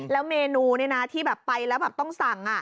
แล้วเมนูที่ไปแล้วต้องสั่ง